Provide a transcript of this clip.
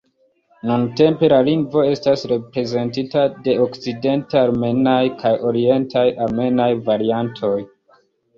Nuntempe, la lingvo estas reprezentita de okcident-armenaj kaj orientaj armenaj variantoj.